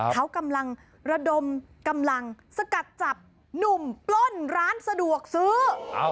เขากำลังระดมกำลังสกัดจับหนุ่มปล้นร้านสะดวกซื้อ